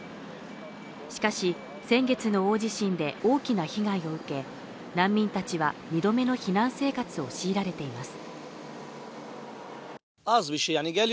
しかし、先月の大地震で大きな被害を受け難民たちは二度目の避難生活を強いられています。